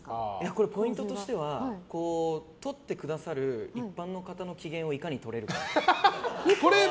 これはポイントとしては撮ってくださる一般の方の機嫌を、いかにとれるか。